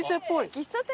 喫茶店？